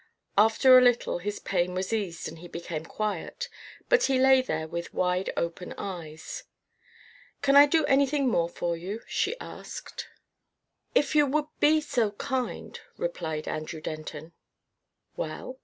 After a little his pain was eased and he became quiet, but he lay there with wide open eyes. "Can I do anything more for you?" she asked. "If you would be so kind," replied Andrew Denton. "Well?"